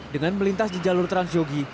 dengan melintas di jalur transyogi